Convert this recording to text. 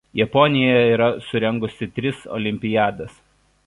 Japonija yra surengusi tris olimpiadas.